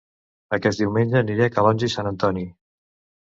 Aquest diumenge aniré a Calonge i Sant Antoni